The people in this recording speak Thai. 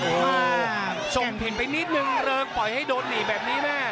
มาส่งผิดไปนิดนึงเริงปล่อยให้โดนหนีแบบนี้แม่